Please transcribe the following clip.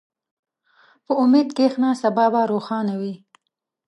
په امید کښېنه، سبا به روښانه وي.